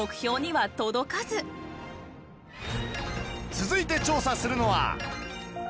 続いて調査するのは